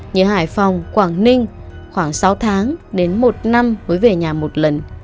như hải phòng quảng ninh khoảng sáu tháng đến một năm mới về nhà một lần